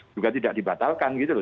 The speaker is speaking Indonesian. juga tidak dibatalkan gitu loh